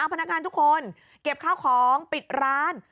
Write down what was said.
พนักงานทุกคนเก็บข้าวของปิดร้าน